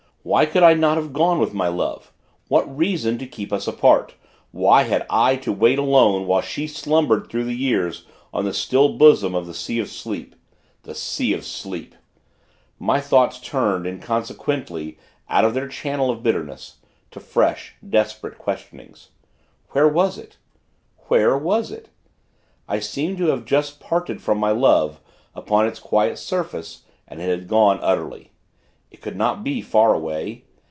Why could I not have gone with my Love? What reason to keep us apart? Why had I to wait alone, while she slumbered through the years, on the still bosom of the Sea of Sleep? The Sea of Sleep! My thoughts turned, inconsequently, out of their channel of bitterness, to fresh, desperate questionings. Where was it? Where was it? I seemed to have but just parted from my Love, upon its quiet surface, and it had gone, utterly. It could not be far away!